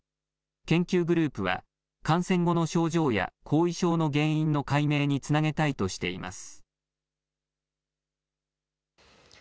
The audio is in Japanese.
研究グループは感染後の症状や後遺症の原因の解明につなげたいとしています。